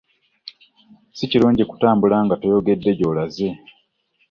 Sikirungi kutambula nga toyogedde gyolaze.